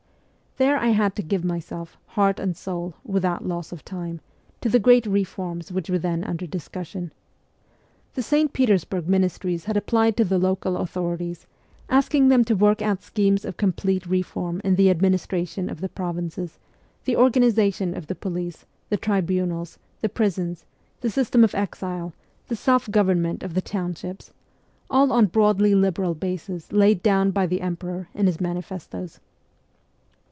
There I had to give myself, heart and SIBERIA 199 soul, without loss of time, to the great reforms which were then under discussion. The St. Petersburg Ministries had applied to the local authorities, asking them to work oat schemes of complete reform in the administration of the provinces, the organization of the police, the tribunals, the prisons, the system of exile, the self government of the townships all on broadly liberal bases laid down by the emperor in his mani festoes.